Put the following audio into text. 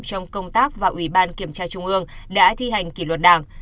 trong công tác và ủy ban kiểm tra trung ương đã thi hành kỷ luật đảng